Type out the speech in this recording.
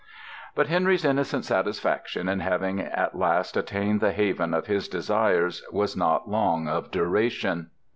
But Henry's innocent satisfaction in having at last attained the haven of his desires was not long of duration.